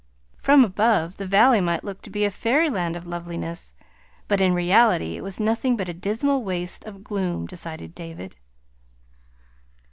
From above, the valley might look to be a fairyland of loveliness, but in reality it was nothing but a dismal waste of gloom, decided David.